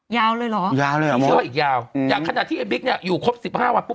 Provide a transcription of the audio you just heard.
ยาวเลยเหรอมีเชื้ออีกยาวอย่างขนาดที่ไอ้บิ๊กเนี่ยอยู่ครบ๑๕วันปุ๊บ